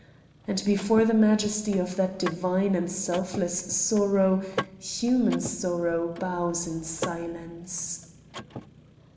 And before the majesty of that divine and selfless sorrow human sorrow bows in silence.